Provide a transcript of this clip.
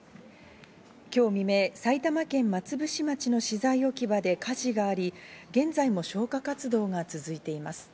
今日未明、埼玉県松伏町の資材置き場で火事があり、現在も消火活動が続いています。